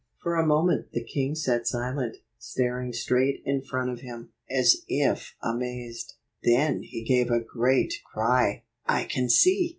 For a moment the king sat silent, staring straight in front of him, as if amazed. Then he gave a great cry, "I can see!